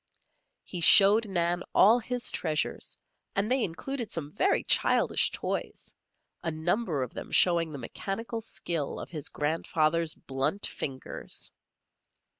He showed Nan all his treasures, and they included some very childish toys, a number of them showing the mechanical skill of his grandfather's blunt fingers.